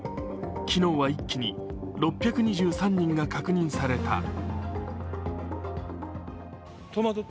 昨日は一気に６２３人が確認された。